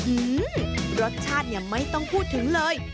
อื้อฮือรสชาตินี่ไม่ต้องพูดถึงเลย